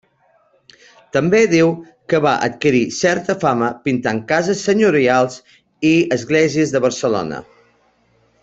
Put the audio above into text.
També diu que va adquirir certa fama pintant cases senyorials i esglésies de Barcelona.